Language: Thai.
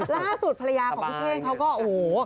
ล่าสุดภรรยาของพี่เท่งเขาก็โอ้โห